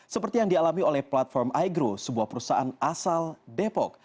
seperti yang dialami oleh platform igrow sebuah perusahaan asal depok